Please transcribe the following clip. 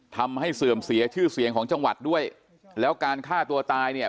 เสื่อมเสียชื่อเสียงของจังหวัดด้วยแล้วการฆ่าตัวตายเนี่ย